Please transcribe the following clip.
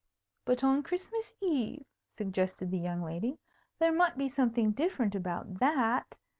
"But on Christmas Eve?" suggested the young lady. "There might be something different about that.